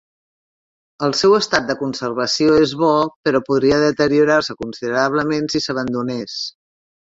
El seu estat de conservació és bo, però podria deteriorar-se considerablement si s'abandonés.